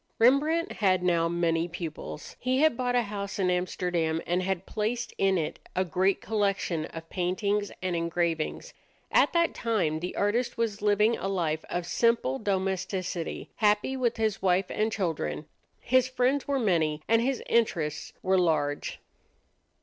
Rembrandt had now many pupils. He had bought a house in Amsterdam, and had placed in it a great collection of paintings and engravings. At that time the artist was living a life of simple domesticity, happy with his wife and children. His friends were many, and his interests were large.